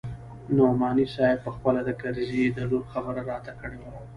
نعماني صاحب پخپله د کرزي د لور خبره راته کړې وه.